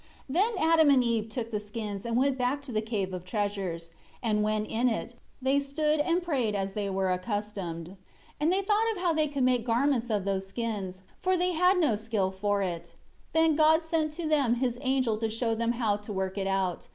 3 Then Adam and Eve took the skins, and went back to the Cave of Treasures; and when in it, they stood and prayed as they were accustomed. 4 And they thought how they could make garments of those skins; for they had no skill for it. 5 Then God sent to them His angel to show them how to work it out.